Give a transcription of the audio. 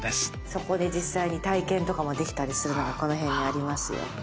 そこで実際に体験とかもできたりするのがこの辺にありますよ。